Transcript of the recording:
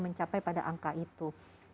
mencapai pada angka itu